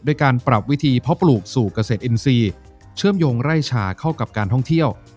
การปรับวิธีเพาะปลูกสู่เกษตรอินทรีย์เชื่อมโยงไร่ชาเข้ากับการท่องเที่ยว